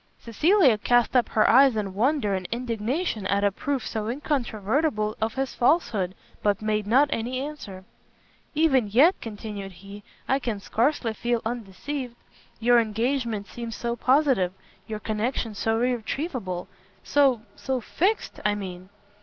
Cecilia cast up her eyes in wonder and indignation at a proof so incontrovertible of his falsehood, but made not any answer. "Even yet," continued he, "I can scarcely feel undeceived; your engagement seemed so positive, your connection so irretrievable, so, so fixed, I mean.